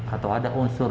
atau ada unsur